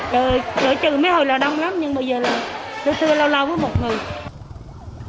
chợ chợ mấy hồi là đông lắm nhưng bây giờ là chợ chưa lâu lâu với một người